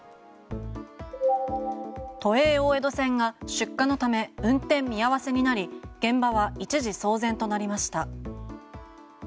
都営大江戸線が出火のため運転見合わせになり現場は一時騒然となりました。